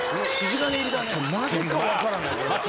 なぜか分からない。